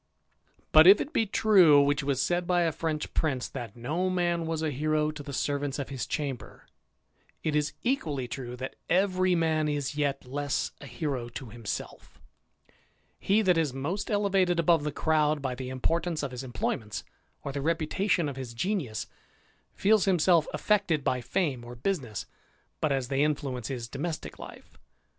But if it be true, which was said by a French prince, thtit no man was a hero to the servants of his chamber^ it is equally true, that every man is yet less a hero to himself He that is most elevated above the crowd by the import ance of his employments, or the reputation of his genius, feels himself affected by fame or business but as they influence his domestick life.